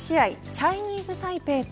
チャイニーズタイペイ対